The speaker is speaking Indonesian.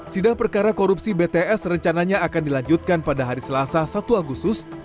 sidang perkara korupsi bts rencananya akan dilanjutkan pada hari selasa satu agustus